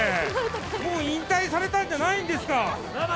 もう引退されたんじゃないんですか？